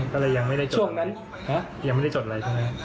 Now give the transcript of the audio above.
ก็เลยยังไม่ได้จดอะไร